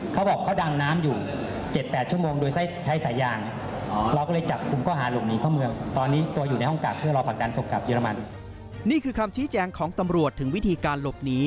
เขาบอกเขาดังน้ำอยู่๗๘ชั่วโมงโดยใช้สายยาง